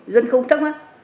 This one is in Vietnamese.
dân không tắc mắc